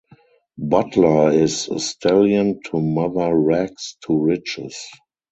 Butler is stallion to mother Rags to Riches.